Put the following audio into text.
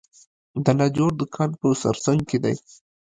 د لاجورد کان په سرسنګ کې دی